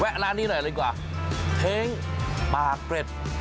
ร้านนี้หน่อยเลยดีกว่าเท้งปากเกร็ด